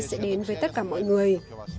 sẽ đến với tất cả mọi người